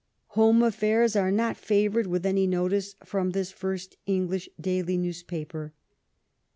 Home affairs are not favored with any notice from this first English daily newspaper.